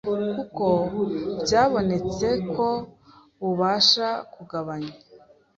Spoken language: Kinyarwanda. kuko byabonetse ko ubasha kugabanya